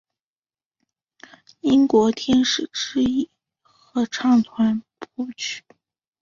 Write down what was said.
英国天使之翼合唱团谱曲。